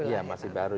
iya masih baru